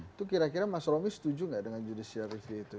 itu kira kira mas romi setuju nggak dengan judicial review itu